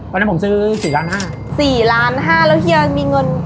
วันนั้นผมซื้อสี่ล้านห้าสี่ล้านห้าแล้วเฮียมีเงิน